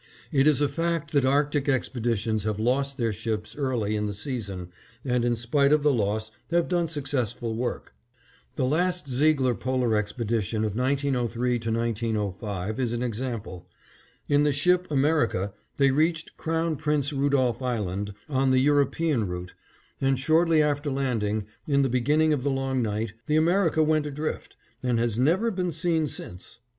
It is a fact that Arctic expeditions have lost their ships early in the season and in spite of the loss have done successful work. The last Ziegler Polar Expedition of 1903 1905 is an example. In the ship America they reached Crown Prince Rudolph Island on the European route, and shortly after landing, in the beginning of the long night, the America went adrift, and has never been seen since.